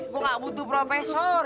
gue nggak butuh profesor